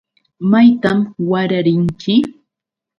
¿Maytan wara rinki?